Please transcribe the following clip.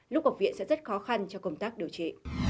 lúc học viện sẽ rất khó khăn cho công tác điều trị